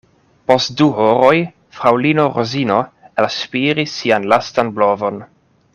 Post du horoj fraŭlino Rozino elspiris sian lastan blovon.